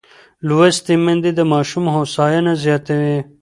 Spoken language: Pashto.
لوستې میندې د ماشوم هوساینه زیاتوي.